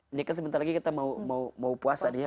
ini kan sebentar lagi kita mau puasa nih ya